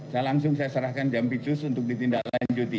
saya langsung saya serahkan jam picus untuk ditindak lanjuti